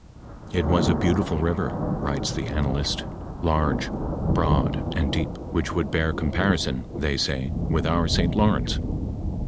" It was a beautiful river," writes the an nalist, •' large, broad, and deep, which would bear comparison, they say, with our St. Lawrence."